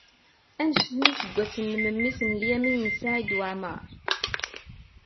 Anect n yiseggasen n memmi-s n Lyamin n Saɛid Waɛmeṛ?